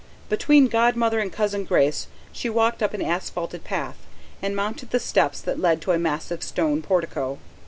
Between Godmother and Cousin Grace she walked up an asphalted path, and mounted the steps that led to a massive stone portico.